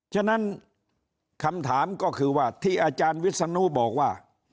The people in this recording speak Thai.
ฉะนั้นคำถามก็คือว่าที่อาจารย์วิศนุบอกว่า